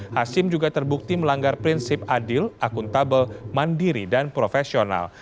hashim juga terbukti melanggar prinsip adil akuntabel mandiri dan profesional